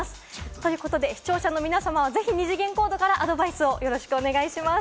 ということで視聴者の皆さまはぜひ二次元コードからアドバイスをよろしくお願いします。